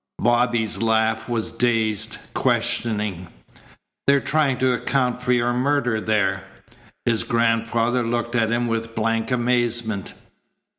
Bobby's laugh was dazed, questioning. "They're trying to account for your murder there." His grandfather looked at him with blank amazement.